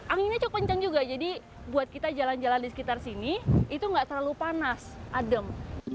anginnya cukup kencang juga jadi buat kita jalan jalan di sekitar sini itu nggak terlalu panas adem